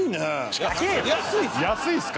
安いですか？